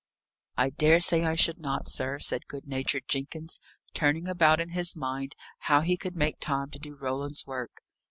"I dare say I should not, sir," said good natured Jenkins, turning about in his mind how he could make time to do Roland's work.